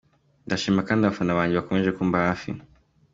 Ndashima kandi abafana banjye bakomeje kumba hafi.